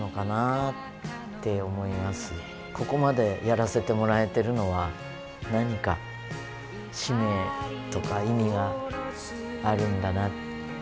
ここまでやらせてもらえてるのは何か使命とか意味があるんだなと思います。